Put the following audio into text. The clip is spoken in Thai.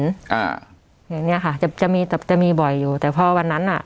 อย่างเนี้ยค่ะจะมีจะมีบ่อยอยู่แต่พอวันนั้นน่ะ